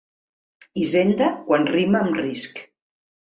Hisenda quan rima amb risc.